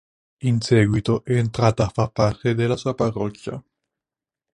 In seguito è entrata a far parte della sua parrocchia.